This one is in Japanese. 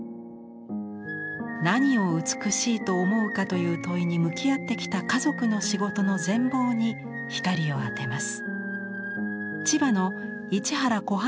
「何を美しいと思うか」という問いに向き合ってきた家族の仕事の全貌に光を当てます。